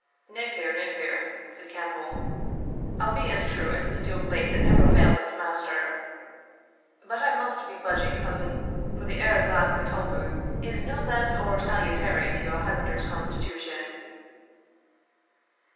"Nae fear nae fear," said Campbell; "I'll be as true as the steel blade that never failed its master. But I must be budging, cousin, for the air o' Glasgow tolbooth is no that ower salutary to a Highlander's constitution."